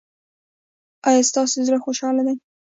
ایا ستاسو زړه خوشحاله دی؟